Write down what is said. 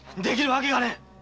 できるわけがねえ！